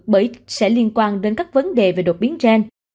bởi sẽ liên quan đến các vấn đề về đột biến gen